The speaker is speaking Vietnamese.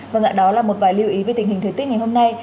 và ngạc đó là một vài lưu ý về tình hình thời tiết ngày hôm nay